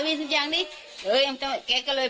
ก็เลยว่าพี่อย่าเพิ่งทำฉันเลย